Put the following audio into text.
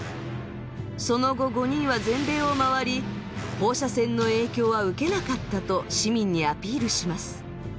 その後５人は全米を回り「放射線の影響は受けなかった」と市民にアピールします。